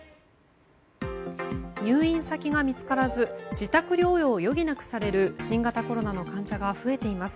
入院先が見つからず自宅療養を余儀なくされる新型コロナの患者が増えています。